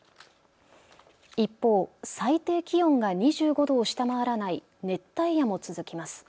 一方、最低気温が２５度を下回らない熱帯夜も続きます。